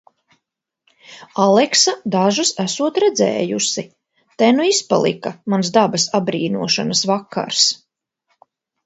Aleksa dažas esot redzējusi... Te nu izpalika mans dabas apbrīnošanas vakars.